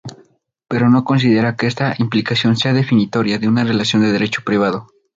Pero no considera que esta implicación sea definitoria de una relación de derecho privado.